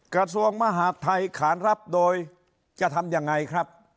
กระทรวงมหาดไทยขานรับโดยจะทำยังไงครับ